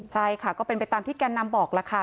ใช่ค่ะก็เป็นไปตามที่แกนนำบอกล่ะค่ะ